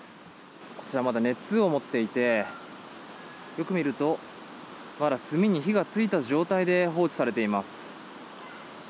こちら、まだ熱を持っていてよく見ると炭に火がついた状態で放置されています。